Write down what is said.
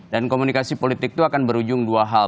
dan komunikasi politik itu akan berujung dua hal